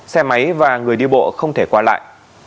xe máy và người đi bộ không thể qua lại